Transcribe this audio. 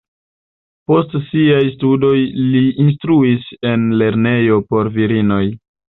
Post siaj studoj li instruis en lernejo por virinoj.